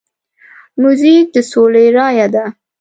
موزیک د سولې رایه ده.